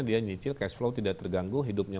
dia nyicil cash flow tidak terganggu hidupnya